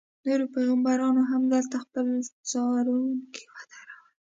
نورو پیغمبرانو هم دلته خپل څاروي ودرول.